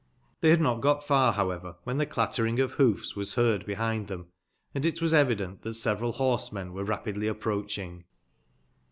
Tbey üad not gone far, bowever, wben tbe clattering of boofs was beard bebind tbem, and it was evident tb^,t several borse men were rapidly approacbing.